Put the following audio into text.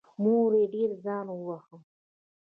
مور یې ډېر ځان وواهه.